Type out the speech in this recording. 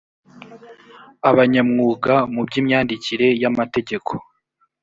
abanyamwuga mu by imyandikire y amategeko